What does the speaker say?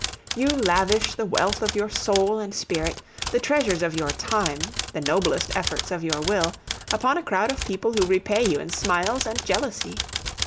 You lavish the wealth of your soul and spirit, the treasures of your time, the noblest efforts of your will, upon a crowd of people who repay you in smiles and jealousy.